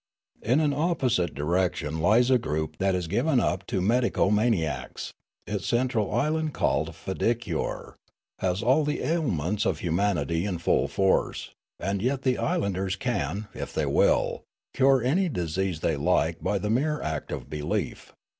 In an opposite direction lies a group that is given up to mediconianiacs ; its central island, called Fidikyoor, has all the ailments of humanity in full force ; and j^et the islanders can, if they will, cure any disease they like b}' the mere act of belief.